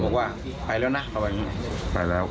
บอกว่าไปแล้วน่ะไปแล้วมีคนมารับไปแล้ว